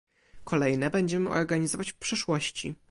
Kolejne będziemy organizować w przyszłości